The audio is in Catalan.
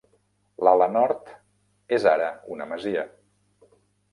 L'ala nord és ara una masia.